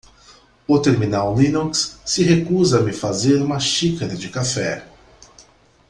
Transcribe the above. O terminal Linux se recusa a me fazer uma xícara de café.